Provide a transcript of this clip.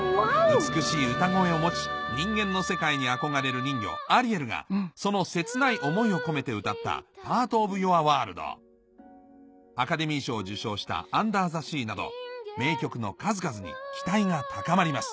美しい歌声を持ち人間の世界に憧れる人魚アリエルがその切ない思いを込めて歌った『パート・オブ・ユア・ワールド』アカデミー賞を受賞した『アンダー・ザ・シー』など名曲の数々に期待が高まります